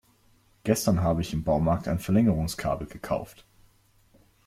Gestern habe ich im Baumarkt ein Verlängerungskabel gekauft.